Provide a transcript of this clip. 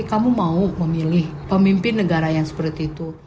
kamu mau memilih pemimpin negara yang seperti itu